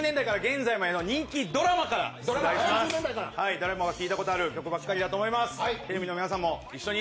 誰もが聞いたことがある曲ばっかりだと思います。